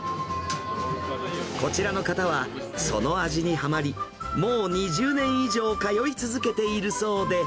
こちらの方はその味にはまり、もう２０年以上通い続けているそうで。